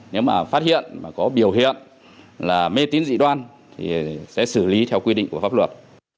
nếu mà phát hiện mà có biểu hiện là mê tín dị đoan thì sẽ xử lý theo quy định của pháp luật